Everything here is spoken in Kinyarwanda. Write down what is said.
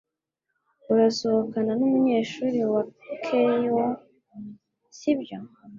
Urasohokana numunyeshuri wa Keio, sibyo?